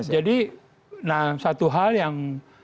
jadi nah satu hal yang